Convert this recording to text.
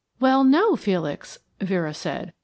"Well no, Felix," Vera said.